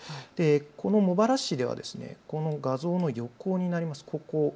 この茂原市ではこの画像の横にあります